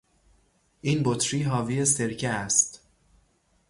این بطری حاوی سرکه است.